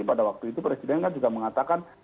pada waktu itu presiden kan juga mengatakan